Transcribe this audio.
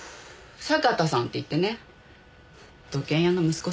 酒田さんっていってね土建屋の息子さん。